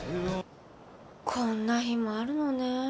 こんな日もあるのね。